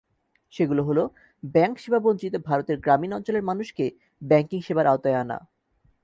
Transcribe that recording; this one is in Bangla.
সেগুলো হলো, ব্যাংক-সেবাবঞ্চিত ভারতের গ্রামীণ অঞ্চলের মানুষকে ব্যাংকিং সেবার আওতায় আনা।